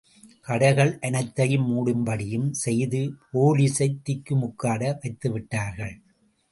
கடைகள் அனைத்தையும் மூடும்படியும் செய்து போலீலைத் திக்கு முக்காட வைத்து விட்டார்கள்.